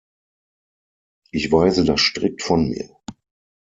Ich weise das strikt von mir!